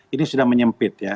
ini sudah menyempit ya